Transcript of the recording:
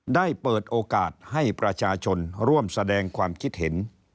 ได้เปิดโอกาสให้ประชาชนร่วมแสดงความคิดเห็น